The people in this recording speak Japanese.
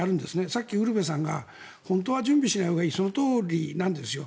さっきウルヴェさんが本当は準備しないほうがいいそのとおりなんですよ。